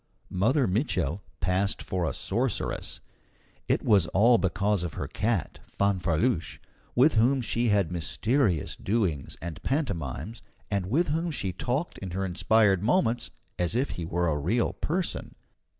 Mother Mitchel passed for a sorceress. It was all because of her cat, Fanfreluche, with whom she had mysterious doings and pantomimes, and with whom she talked in her inspired moments, as if he were a real person.